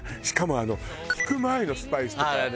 しかもひく前のスパイスとか。